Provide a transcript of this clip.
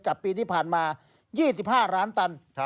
ปีที่ผ่านมา๒๕ล้านตัน